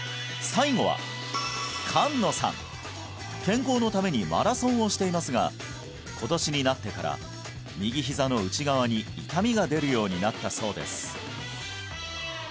最後は健康のためにマラソンをしていますが今年になってから右ひざの内側に痛みが出るようになったそうです